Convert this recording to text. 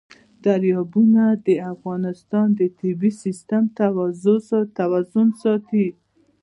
دریابونه د افغانستان د طبعي سیسټم توازن ساتي.